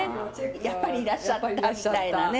やっぱりいらっしゃったみたいなね。